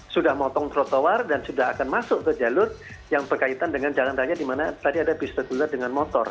sudah motong trotoar dan sudah akan masuk ke jalur yang berkaitan dengan jalan raya di mana tadi ada bis reguler dengan motor